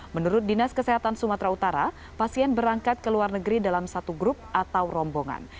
menurut dinas kesehatan sumatera utara pasien berangkat ke luar negeri dalam satu grup atau rombongan